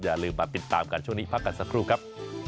อย่าลืมมาติดตามกันช่วงนี้พักกันสักครู่ครับ